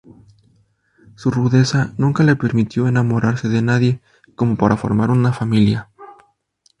Su rudeza nunca le permitió enamorarse de nadie como para formar una familia.